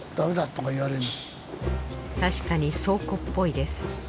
たしかに倉庫っぽいです。